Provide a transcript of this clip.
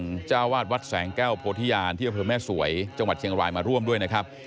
เป็นเจ้าวาดวัดแสงแก้วโพธิญาณที่อำเภอแม่สวยจังหวัดเชียงรายมาร่วมด้วยนะครับ